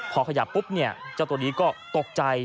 พอขยับปุ๊บเนี่ยเจ้าตัวนี้ก็ตกใจ